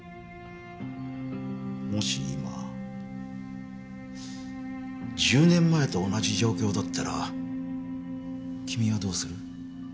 もし今１０年前と同じ状況だったら君はどうする？